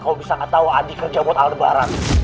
kau bisa gak tahu adi kerja buat aldebaran